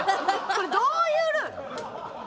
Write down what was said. これどういうルール？